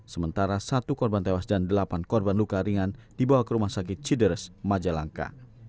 sementara satu korban tewas dan delapan korban luka ringan dibawa ke rumah sakit cideres majalangka